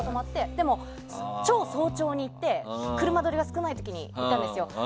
でも、超早朝に行って車通りが少ない時に行ったんですよ。